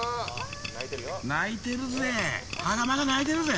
鳴いてるぜ。